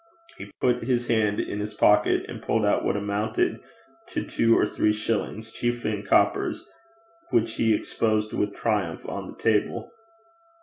He put his hand in his pocket and pulled out what amounted to two or three shillings, chiefly in coppers, which he exposed with triumph on the table.